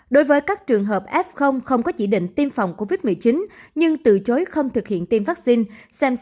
đối với các trường hợp f không có chỉ định tiêm phòng covid một mươi chín nhưng từ chối không thực hiện tiêm vaccine